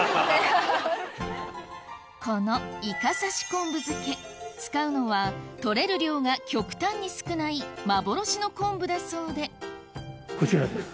このいかさし昆布漬使うのは採れる量が極端に少ない幻の昆布だそうでこちらです。